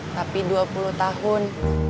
tapi dua puluh tahun